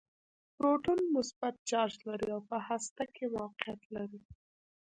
پروټون مثبت چارچ لري او په هسته کې موقعیت لري.